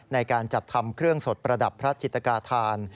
ในการจัดทำเครื่องสดประดับพระจิตกาธาน